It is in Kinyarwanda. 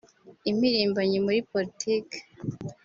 impirimbanyi muri politike